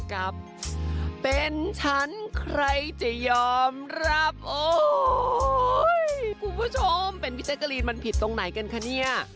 คุณผู้ชมเป็นพี่จักรีนมันผิดตรงไหนกันคะเนี่ย